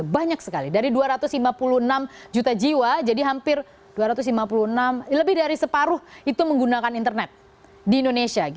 banyak sekali dari dua ratus lima puluh enam juta jiwa jadi hampir dua ratus lima puluh enam lebih dari separuh itu menggunakan internet di indonesia